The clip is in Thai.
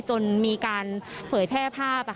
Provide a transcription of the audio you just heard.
จนมีการเผยแพร่ภาพ